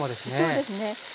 そうですね。